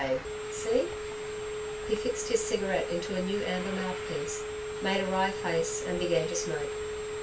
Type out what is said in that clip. K. See?' He fixed his cigarette into a new amber mouthpiece, made a wry face, and began to smoke.